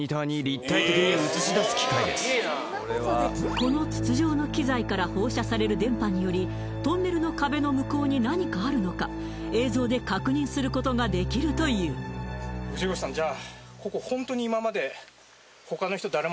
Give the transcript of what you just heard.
この筒状の機材から放射される電波によりトンネルの壁の向こうに何かあるのか映像で確認することができるというグジェゴシュさんじゃあ